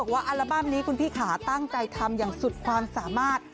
ว่าอัลบั้มนี้คุณพี่ขาตั้งใจทำอย่างสุดความสามารถ